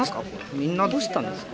みんなどうしたんですか？